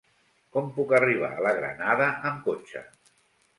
Com puc arribar a la Granada amb cotxe?